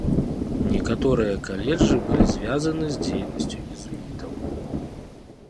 Некаторыя каледжы былі звязаны з дзейнасцю езуітаў.